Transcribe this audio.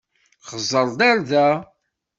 Xeẓẓeṛ-d ar da!